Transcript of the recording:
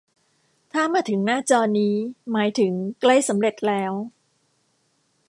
ถ้ามาถึงหน้าจอนี้ หมายถึงใกล้สำเร็จแล้ว